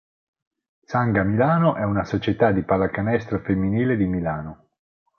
Sanga Milano è una società di pallacanestro femminile di Milano.